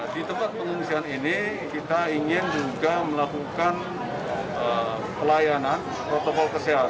di tempat pengungsian ini kita ingin juga melakukan pelayanan protokol kesehatan